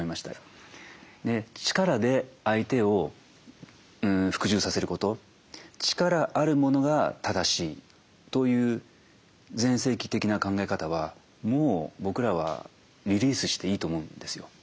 で力で相手を服従させること力あるものが正しいという前世紀的な考え方はもう僕らはリリースしていいと思うんですよ。